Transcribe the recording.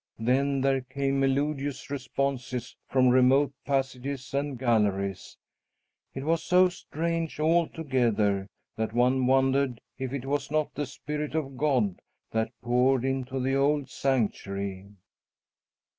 Then there came melodious responses from remote passages and galleries. It was so strange altogether that one wondered if it was not the Spirit of God that poured into the old sanctuary."